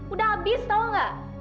udah abis tau gak